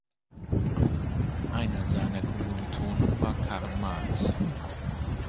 Einer seiner Kommilitonen war Karl Marx.